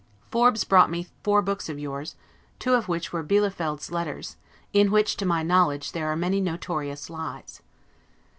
Forbes brought me four books of yours, two of which were Bielefeldt's "Letters," in which, to my knowledge, there are many notorious lies.